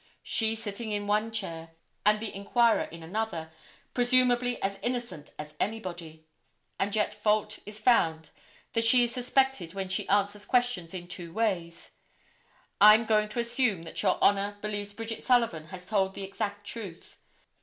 She sitting in one chair and the inquirer in another, presumably as innocent as anybody; and yet fault is found that she is suspected when she answers questions in two ways. I'm going to assume that Your Honor believes Bridget Sullivan has told the exact truth.